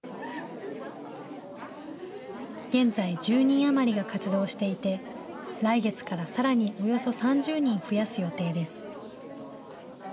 現在、１０人余りが活動していて、来月からさらにおよそ３０人増やす予定です。